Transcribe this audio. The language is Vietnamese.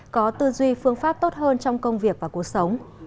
có tư duy phương pháp tốt hơn trong công việc và cuộc sống